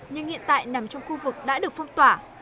nhưng hiện tại nằm trong khu vực đã được phong tỏa